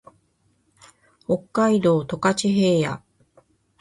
北海道十勝平野